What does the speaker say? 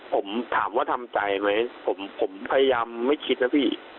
ผมถามว่าทำใจไหมผมพยายามไม่คิดนะพี่